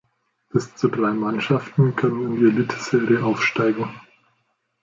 Bis zu drei Mannschaften können in die Eliteserie aufsteigen.